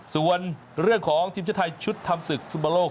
ส่วนเรื่องของทีมเชียร์ไทยชุดทำศึกสุภาโลก๒๐๒๒